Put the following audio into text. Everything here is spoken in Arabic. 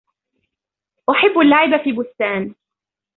أحب اللعب في بستان.